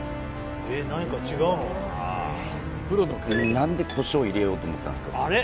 何でコショウを入れようと思ったんすか？